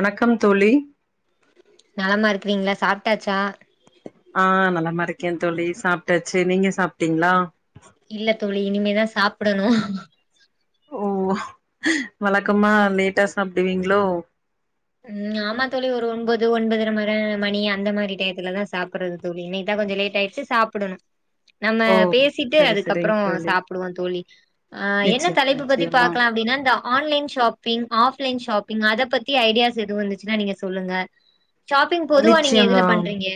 வணக்கம் தோழி நலமா இருக்கிறீங்ளா சாப்ட்டாச்சா ஆ நலமா இருக்கே தோழி சாப்ட்டாச்சி நீங்க சாப்ட்டீங்களா இல்ல தோழி இனிமேதா சாப்படணு ஓ வழக்கமா லேட்டா சாப்புடுவீங்களோ ம் ஆமா தோழி ஒரு ஒன்பது ஒன்பதுர மற மணி அந்த மாரி டயத்துல தா சாப்பறது தோழி இன்னக்கி தா கொஞ்ச லேட் ஆயிருச்சி சாப்புடணு நம்ம ஓ பேசிட்டு சரி சரிங்க அதுக்கப்றோ தோழி சாப்புடுவோ தோழி ஆ என்ன நிச்சயமா தலைப்பு பத்தி நிச்சயமா பாக்லா அப்டினா இந்த ஆன்லைன் ஷாப்பிங் ஆஃப்லைன் ஷாப்பிங் அத பத்தி ஐடியாஸ் எது வந்துச்சுன்னா நீங்க சொல்லுங்க ஷாப்பிங் பொதுவா நீங்க எதுல நிச்சயமா பண்றீங்க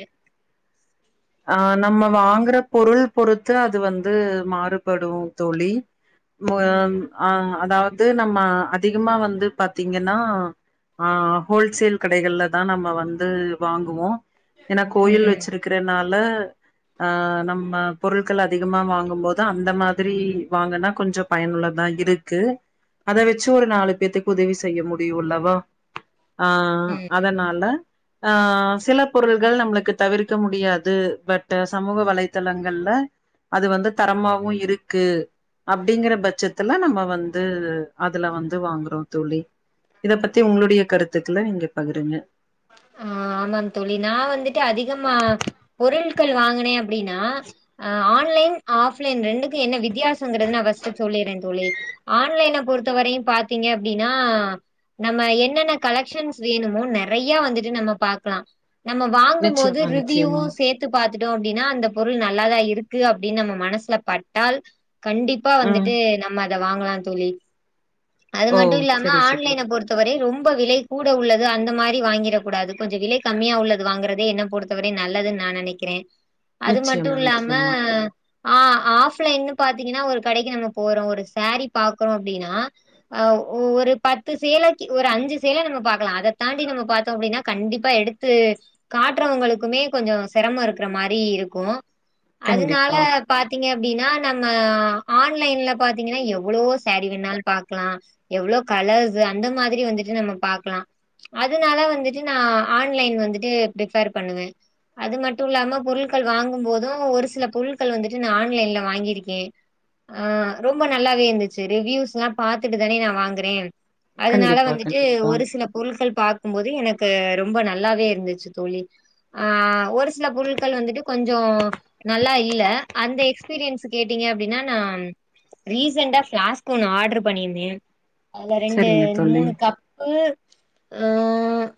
ஆ நம்ம வாங்குற பொருள் பொறுத்து அது வந்து மாறுபடு தோழி ம் ஆ அதாவ்து நம்ம அதிகமா வந்து பாத்திங்கன்னா ஆ ஹோல்சேல் கடைகள்ல தா நம்ம வந்து வாங்குவோ ஏனா கோயில் ம் வெச்சிருக்கிறனால ஆ நம்ம பொருள்கள் அதிகமா வாங்கும்போது அந்த மாத்ரி வாங்கனா கொஞ்ச பயனுள்ளதா இருக் கு அத வெச்சு ஒரு நாலு பேத்துக்கு உதவி செய்ய முடியு இல்லவா ஆ ம் அதனால ஆ சில பொருள்கள் நம்மளுக்கு தவிர்க்க முடியா து பட்டு சமூக வலைத்தளங்கள்ல அது வந்து தரமாவு இருக்கு அப்பிடிங்கிற பட்சத்துல நம்ம வந்து அதுல வந்து வாங்குறோ தோழி இத பத்தி உங்களுடைய கருத்துக்கல இங்க பகிருங்க ஆ ஆமா தோழி நா வந்துட்டு அதிகமா பொருள்கள் வாங்குனே பிடின்னா அ ஆன்லைன் ஆஃப்லைன் ரெண்டுக் கு என்ன வித்தியாசங்குறது நா ஃபஸ்ட்டு சொல்லிறேந் தோழி ஆன்லைன பொறுத்தவரையும் பாத்தீங்க அப்பிடினா நம்ம என்னென்ன கலெக்ஷன்ஸ் வேணுமோ நெறைய வந்துட்டு நம்ம பாக்லா நம்ம வாங்கும் போது நிச்சயமா ரிவ்யூ நிச்சயமா சேத் து பாத்துட்டோ அப்டினா அந்தப் பொருள் நல்லாதா இருக்கு அப்டின் நம்ம மனச்லப் பட்டால் கண்டிப் ப்பா ம் வந்துட்டு நம்ம அத வாங்லாந் தோழி அது ஓ மட்டு இல்லாம செரி செரி ஆன்லைனப் பொறுத்து து வரையு ரொம்ப விலை கூட உள்ளது அந்த மா ரி வாங்கிறக் கூடாது கொஞ்சோ விலை கம்மியா உள்ளது வாங்கறதே என்னப் பொறுத்த வரை நல்லதுன் நா நெனைக்கிறே அது மட்டு நிச்சயமா இல்லாம நிச்சயமா ஆ ஆஃப்லைன்னு பாத்தீங்கினா ஒரு கடைக்கு நம்ம போறோ ஒரு சாரிப் பாக்குறோ அப்டினா ஆ ஒ ஒருப் பத்து சீலைக்கி ஒரு அஞ்சு சீல நம்ம பாக்கலா அதத் தாண்டி நம்மப் பாத்தோ அப்டினா கண்டிப்பா எடுத்து காட்றவுங்களுக்குமே கொஞ்சோ சிரமோ இருக்ற மாரி இருக்கு கண்டிப்பா அதுனாலப் பாத்தீங்க அப்டினா நம்ம ஆன்லைன்ல பாத்தீங்கினா எவ்ளோ சாரி வேண்ணாலுப் பாக்லா எவ்ளோக் கலர்ஸு அந்த மாதிரி வந்துட்டு நம்ம பாக்லா அதுனால வந்துட்டு நா ஆன்லைன் வந்துட்டு பிரிஃபேர் பண்ணுவே அது மட்டு இல்லாம பொருள்கள் வாங்கும்போது ஒரு சிலப் பொருள்கள் வந்துட்டு நா ஆன்லைன்ல வாங்கிருக்கே ஆ ரொம்ப நல்லாவே இந்துச்சி ரிவ்யூஸ்லாம் பாத்துட்டு தானே நா வாங்குறே அதனால கண்டிப்பா வந்துட்டு கண்டிப்பா ஒரு சிலப் பொருள்கள் பாக்கும்போது எனக்கு ரொம்ப நல்லாவே இருந்துச்சி தோழி ஆ ஒரு சிலப் பொருள்கள் வந்துட்டு கொஞ் சோ நல்லா இல்ல அந்த எக்ஸ்பீரியன்ஸு கேட்டீங்க அப்டினா நாம் ரீசெண்டா பிளாஸ்க்கு ஒன்னு ஆட்ரு பண்ணிந்தே அதல ரெண்டு செரிங்க தோழி மூனு கப்பு ஆ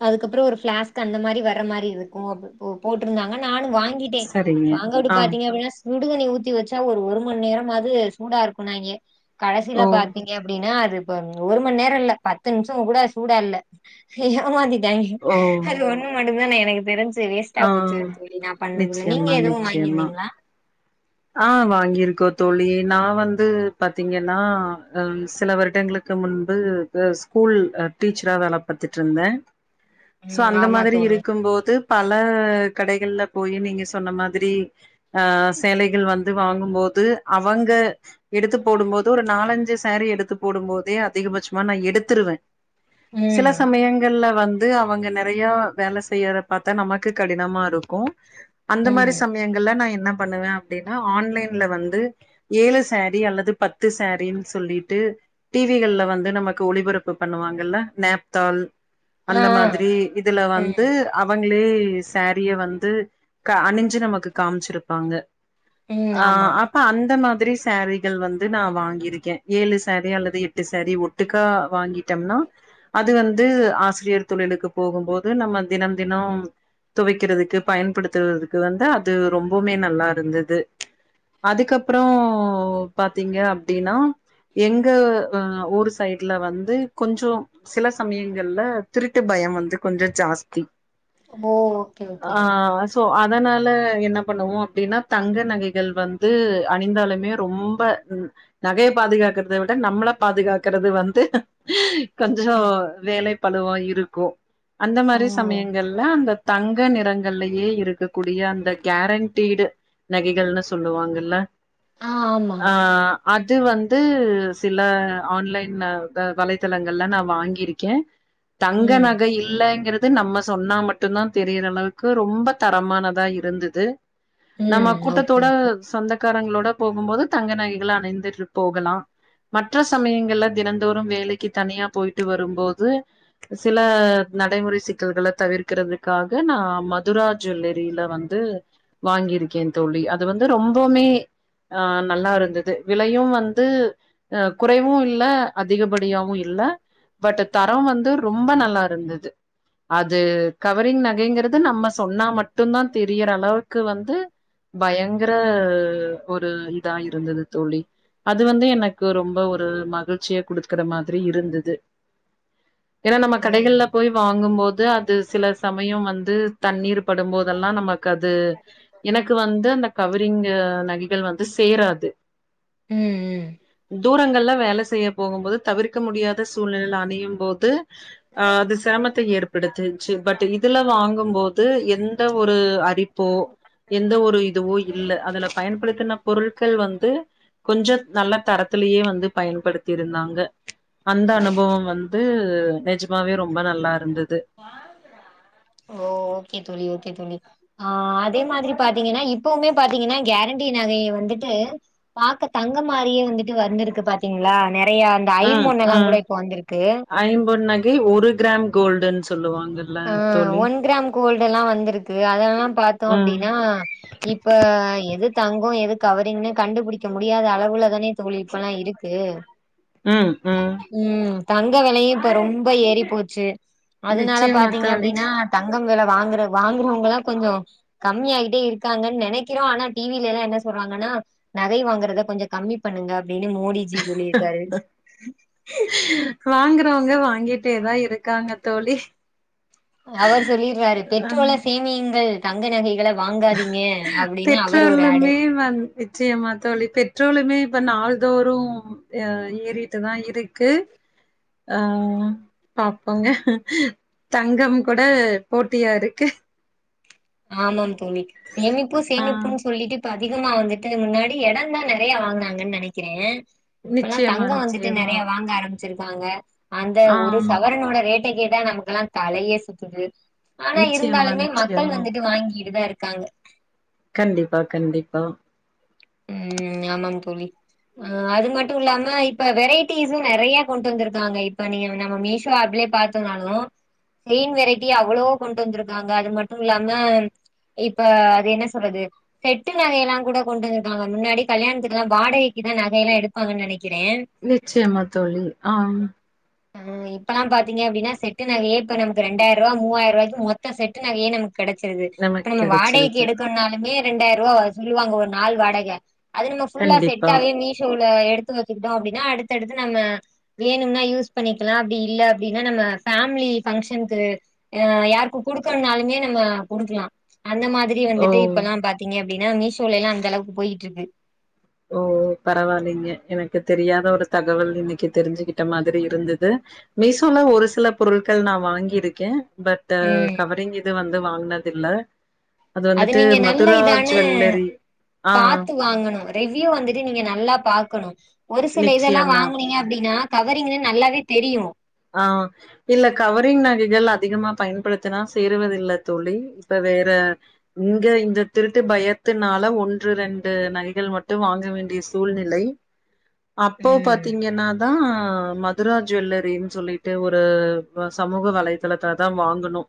அதுக்கப்றோ ஒரு பிளாஸ்க்கு அந்த மாரி வர்ற மாரி இருக்கு அபு போ போட்ருந்தாங்க நானு வாங்கிட் டே செரிங்க வாங்க விடுப் ஆ பாத்தீங்க அப்டினாச் சுடுதணி ஊத்தி வெச்சா ஒரு ஒரு மண் நேரமாது சூடா இருக்குனாய்ங்க ஓ கடசிலப் பாத்தீங்க அப்டினா அதுப ஒரு மண் நேரோ இல்ல பத்து நிம்ஷங் கூட சூடா இல்ல ஏமாத்திட்டாய்ங்க ஓ அது ஒன்னு மட்டும்தா நா எனக்கு தெரிஞ்சு சு வேஸ்ட்டா ஆ போச்சு தோழி நாப் பண்ணதுல நீங்க நிச்சயமா எதுவு நிச்சயமா வாங்கிந்தீங்ளா ஆ வாங்கியிருக்கோத் தோழி நா வந்து பாத்தீங்கின்னா அ சில வருடங்ளுக் க்கு முன்பு அ ஸ்கூல் அ டீச்சரா வேல பாத்துட்ருந்த சோ ம் அந்த ஆமா மாதிரி தோழி. இருக்கும்போதுப் பல கடைகள்லப் போயி நீங்க சொன்ன மாதிரி அ ச் சேலைகள் வந்து வாங்கும்போது அவங்க எடுத்து போடும்போது ஒரு நாலஞ்சு சாரீ எடுத்துப் போடும் போதே அதிகபட்சமா நா எடுத்துருவே சில ம் சமயங்கள்ல வந் து அவங்க நெறையா வேல செய்யறப் பாத்தா நமக்கு கடினமா இருக்கு அந்த மாரி ம் சம் மியங்கள்ல நா என்னப் பண்ணுவே அப்டினா ஆன்லைன்ல வந்து ஏழு சாரீ அல்லது பத்து சாரின் சொல்லிட்டு டி விகள்ல வந்து நமக்கு ஒளிபரப்பு பண்ணுவாங்கல்ல நேப்தால் ஆ ஆ அந்த மாதிரி இதுல வந்து ம் அவங்களே சாரிய வந்து க அணிஞ்சு நமக்கு காம்ச்சிருப்பாங்க ம் ஆ ஆமா. அப் ப அந்த மாதிரி சாரிகள் வந்து நா வாங்கிருக்கே ஏழு சாரி அல்லது எட்டு சாரி ஒட் ட்டுக்கா வாங்கிட்டம்னா அது வந்து ஆசிரியர் தொழிலுக்கு போகும் போது நம்ம தினம் தினம் துவைக்கிறதுக்கு பயன்படுத்துறதுக்கு வந்து அது ரொம்பவுமே நல்லா இருந்தது அதுக்கப்புறோ பாத்தீங்க அப்டின்னா எங்க ஊர் சைடுல வந்து கொஞ்சோ சில சமயங்கள்ல திருட்டு பயம் வந்து கொஞ்சோ ஜாஸ்தி ஓ! Okay okay. ஆ சோ என்ன பண்ணுவோ அப்டின்னா தங்க நகைகள் வந்து அணிந்தாலுமே ரொம்ப நகைய பாதுகாக்கறத விட நம்மள பாதுகாக்கறது வந்து கொஞ்சோ வேலை பழுவா இருக்கும் அந்த ஓ! மாரி சமயங்கள்ல அந்த தங்க நிறங்கள்லயே இருக்கக்கூடிய அந்த கேரண்டிட் நகைகள்னு சொல்லுவாங்கல்ல ஆ ஆமா. ஆ அது வந்து சில ஆன்லைன் அ வலைத்தளங்கள்ல நா வாங்கியிருக்கே தங்க ம். நகை இல்லங்கறது து நம்ம சொன்னா மட்டும் தா தெரியிற அளவுக்கு ரொம்ப தரமானதா இருந்தது நம்ம ம் ஓகே கூட்டத்தோட ஓகே சொந்தக்காரங்களோட போகும்போது தங்க நகைகள அணிந்து போகலா மற்ற சமயங்கள்ல தினந்தோறும் வேலைக்கு தனியா போயிட்டு வரும்போது சில நடைமுறை சிக்கல்கள தவிக்கறதுக்காக நா ம துரா ஜுவல்லரில்ல வந்து வாங்கிருக்கே தோழி அது வந்து ரொம்பவுமே ஆ நல்லா இருந்தது விலையு வந்து குறைவும் இல்ல அதிகபடியாவும் இல்ல பட் தரம் வந்து ரொம்ப நல்லா இருந்தது அது கவரிங் நகைங்கிறது நம்ம சொன்னா மட்டு தா தெரியிற அளவுக்கு வந்து பயங்கர ஒரு இதா இருந்தது தோழி அது வந்து எனக்கு ரொம்ப ஒரு மகிழ்ச்சிய குடுக்கற மாதிரி இருந்தது ஏன்னா நம்ம ஓ! கடைகள்ல போய் வாங்கும் போது அது சில சமயம் வந்து தண்ணீர் படும்போதெல்லாம் நமக்கு அது எனக்கு வந்து அந்த கவரிங் நகைகள் வந்து சேராது ம் ம் தூரங்கள்ல வேல செய்ய போகும்போது தவிர்க்க முடியாத சூழ்நிலையில அணியும் போது அ அது சிரமத்தை ஏற்படுத்துச்சு பட் இதுல வாங்கும்போது எந் ந்த ஒரு அறிப்போ எந்த ஒரு இதுவோ இல்ல அதுல பயன்படுத்தின பொருட்கள் வந்து கொஞ்ச நல்ல தரத்திலயே வந்து பயன்படுத்திருந்தாங்க அந்த அனுபவம் வந்து நெஜமாவே ரொம்ப‌ நல்லா இருந்தது ஓ ஓகே தோழி ஓகே தோழி ஆ அதே மாதிரி பாத்திங்கனா இப்பவுமே பாத்திங்கனா கேரண்டி நகை வந்துட்டு பாக்க தங்கம் மாரியே வந்துட்டு வந்திருக்கு பாத்தீங்களா நெறையா ந்த ஐம் பொன்னெல்லா கூட இப்ப வந்திருக்கு ஐம் பொன்‌ நகை ஒரு கிராம் கோல்டன்னு சொல்லுவாங்க ஆ ஒன் கிராம் கோல்டு எல்லா வந்திருக்கு அதெல்லா பாத்தோ ம் அப்டின்னா இப்ப எது தங்கோ எது கவரிங்ன்னு கண்டுபிடிக்க முடியாத அளவுல தானே தோழி இப்பல்லா இருக்கு ஆ ம் ம் ம் தங்க வெலையு இப்ப ரொம்ப ஏறிப் போச்சு நிச்சயமா தோழி ஆ தங்கம் வெல வாங்குற வாங்குறவங்கல்லா கொஞ்சோ கம்மி ஆயிட்டே இருக்காங்கன்னு நெனைக்கிறோ ஆனா டி வில எல்லா என்ன சொல்றாங்கன்னா நகை வாங்குறத கொஞ்ச கம்மி பண்ணுங்க அப்டின்னு மோடிஜி சொல்லியிருக்காரு வாங்கறவங்க வாங்கிட்டேதா இருக்காங்க தோழி அவர் சொல்லிறாரு பெட்ரோல சேமியுங்கள் தங்க நகைகளை வாங்காதீங்க அப்டின்னு அவர் ஒரு ஏடு பெட்ரோலுமே வந் நிச்சயமா தோழி பெட்ரோலுமே இப்ப நாள்தோறு எ ஏறிட்டுதா இருக்கு ஆ பாப்போங்க தங்கம் கூட போட்டியா இருக்கு ஆமாம் தோழி சேமிப்பு ஆ சேமிப்புன்னு சொல்லிட்டு இப்ப அதிகமா வந்துட்டு முன்னாடி எடந்தா நெறைய வாங்குனாங்கன்னு நெனைக்கிறே இப்பல்லா நிச்சயமா தங்கோ வந்துட்டு நிச்சயமா நெறைய வாங்க ஆரம் வச்சிருக்காங்க அந்த ஆ ஒரு சவரனோட ரேட்ட கேட்டா நமக்கெல்லா தலையே சுத்துது ஆனா நிச்சயமா இருந்தாலுமே மக்கள் நிச்சயமா வந்துட்டு வாங்கிட்டு தா இருக்காங்க கண்டிப்பா கண்டிப்பா ம் ஆமாம் தோழி ஆ அது மட்டு இல்லாம இப்ப வெரைட்டிஸும் நெறைய கொண்டு வந்திருக்காங்க இப்ப நீங்க நம்ம மீஸோ ஆப்லயே பாத் தனாலு செயின் வெரைட்டி அவ்ளோ கொண்டு வந்திருக்காங்க அது மட்டு இல்லாம இப்ப அது என்ன சொல்றது செட்டு நகையெல்லா கூட கொண்டு நாங்க முன்னாடி கல்யாணத்துக்கு எல்லா வாடகைக்கு தா நகை எல்லா எடுப்பாங்கன்னு நெனைக்கிறே நிச்சயமா தோழி ஆ ம் ஆ ம் இப்பல்லா பாத்தீங்க அப்டின்னா செட்டு நகையே இப்ப நமக்கு ரெண்டாயிரூபா மூவாயிரூபாக்கு மொத்த செட்டு நகையே நமக்கு கெடைச்சிருது இப்ப நமக்கு நம்ம வாடகைக்கு கெடச்சிருக்கு எடுக்கணும்னாலுமே ரெண்டாயிரம் ரூபா சொல்லுவாங்க ஒரு நாள் வாடக அது நம்ம ஃபுல்லா கண்டிப்பா செட்டாவே மீஷோல எடுத்து வச்சுக்கிட்டோ அப்டின்னா அடுத்தடுத்து நம்ம வேணும்னா யூஸ் பண்ணிக்கலா அப்டி இல்ல அப்டின்னா நம்ம பேமிலி பங்க்ஷனுக்கு அ யாருக்கு குடுக்கனுனாலுமே நம்ம குடுக்கலா அந்த மாதி ரி ஓ வந்துட்டு இப்பெல்லா பாத்தீங்கனா அப்டின்னா மீஷோல எல்லா அந்த அளவுக்கு போயிட்டு இருக்கு ஓ பரவா இல்லைங்க எனக்கு தெரியாத ஒரு தகவல் இன்னைக்கி தெரிஞ்சுகிட்ட மாதிரி இருந்தது மீசோல ஒரு சில பொருட்கள் நா வாங்கியிருக்கே பட் ம் கவரிங் இது வந்து வாங்கனது இல்ல அது வந்துட்டு நீங்க நல்ல மதுரா இதான்னு ஜுவல்லரி ஆ பாத்து வாங்கணு ரிவ்யூ வந்துட்டு நீங்க நல்லா பாக்கணு ஒரு சில இதெல்லா நிச்சயமா வாங்கனீங்க அப்டின்னா கவரிங்ன்னு நல்லாவே தெரியு ஆ இல்ல கவரிங் நகைகள் அதிகமா பயன்படுத்தினா சேருவதில்ல தோழி இப்ப வேற இங்க இந்த திருட்டு பயத்தினால ஒன்று ரெண்டு நகைகள் மட்டு வாங்க வேண்டிய சூழ்நிலை அப்போ ம் பாத்தீங்கன்னாதா மதுரா ஜுவல்லரி சொல்லிட்டு ஒரு சமூக வலைதளத்ல தா வாங்கணோ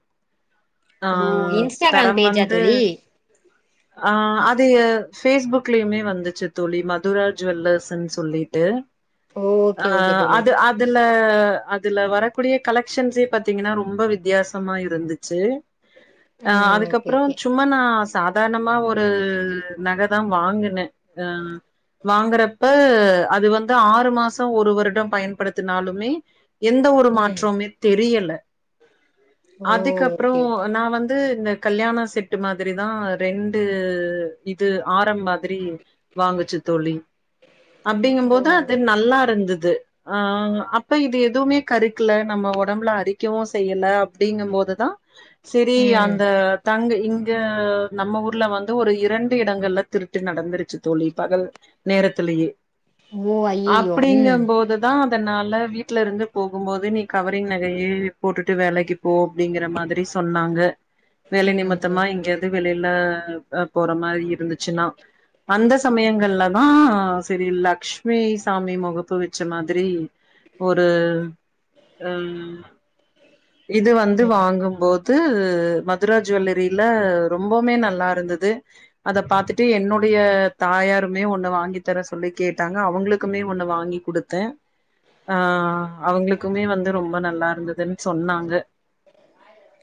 ஓ இன்ஸ்டாகிராம் பேஜா தோழி அ அது பேஸ்புக்லயுமே வந்துச்சு தோழி மதுரா ஜுவல்லர்ஸ்ன்னு சொல்லிட்டு ஓகே அ ஓகே தோழி அது அதுல அத் துல வரக்கூடிய கலெக்ஷன்ஸே பாத்தீங்கனா ரொம்ப வித்யாசமா இருந்துச்சு அ ம் ஓகே அதுக்கப்புறோ ஓகே சு ம நா சாதார்ணமா ஒரு நகதா வாங்குன அ வாங்கறப்ப அது வந்து ஆறு மாச ஒரு வருட பயன்படுத்துனாலுமே எந்த ஒரு ம் மாற்றமுமே தெரியல ஓ அதுக்கப்புறோ ஓகே ஓகே நா வந்து இந்த கல்யாண செட்டு மாதுரி தா ரெண்டு இது ஆரம்ப துரி வாங்குச்சு தோழி ஓ அப்டிங்கம்போது அது நல்லாருந்துது அ அ அப்ப இது எத் துமே கருக்ல நம்ம ஒடம்ப்ல அரிக்கவு செய்யல அப்டிங்கம்போதுதா சிரி ம் அந்த தங்க இங்க நம்ம ஊர்ல வந்து ஒரு இரண்டு இடங்கள்ல திருட்டு நடந்துருக் ச் தோழி பகல் நேரத்துலுயே ஓ ஐயையோ ம் அப்டிங்கம்போது தா அதனால வீட்ல இருந்து போகும்போது நீ கவரிங் நகயே போட்டுட்டு வேலக்கி போ அப்டிங்கிற மாதுரி சொன்னாங்க வேலை ம் நிமத்தமா ம் இங்கேயாது வெளில போற மாரி இருந்துச்சுன்னா அந்த சமயங்கள்லதா செரி லக்ஷ் வி சாமி மொகப்பு வெச்ச மாதுரி ஒரு இது வந்து ம் வாங்கும்போத் து மதுரா ஜுவல்லரில ரொம்போமே நல்லாருந்துது அத பாத்துட்டு என்னுடைய தாயாருமே ஒன்னு வாங்கி தர சொல்லி கேட்டாங்க அவுங்ளுக்குமே ஒன்னு வாங்கி குடுத் த ஆ அவங்ளுக்குமே வந்து ரொம்ப நல்லாருந்துதுன் சொன்னாங்க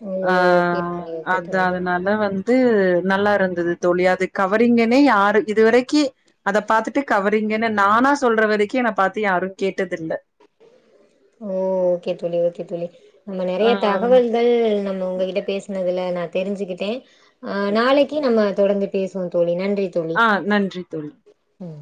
ஓ ஆ ஓகே தோழி ஓகே அத்து தோழி அதனால வந் து நல்லாருந்துது தோழி அது கவரிங்கனே யாரு இதுவரக்கி அத பாத்துட்டு கவரிங்குன்னு நானா வரக்கி என்ன பாத்து யாரு கேட்டதில்ல ஓ ஓகே தோழி ஓகே தோழி நம்ம ஆ நெறைய தகவல்கள் நம் உங்ககிட்ட பேஸ்னதுல நா தெரிஞ்சுக்கிட்டே அ நாளைக்கி நம்ம தொடர்ந்து பேசுவோ தோழி நன்றி தோழி அ நன்றி தோழி ம்